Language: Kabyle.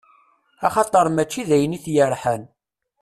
Axaṭer mačči dayen i t-yerḥan.